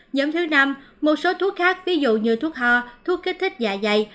nhóm thứ năm một số thuốc khác ví dụ như thuốc ho thuốc kích thích dạ dày